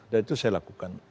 dan itu saya lakukan